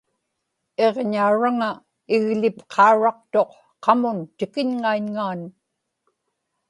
iġñauraŋa igḷipqauraqtuq qamun tikiñŋaiñŋaan